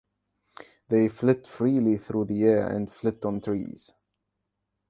They flit freely through the air and flit on trees.